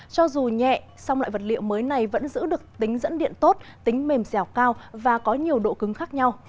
cho dù nhẹ song loại vật liệu mới này vẫn giữ được tính dẫn điện tốt tính mềm dẻo cao và có nhiều độ cứng khác nhau